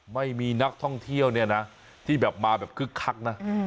ไม่มีนักท่องเที่ยวเนี่ยนะที่แบบมาแบบคึกคักนะ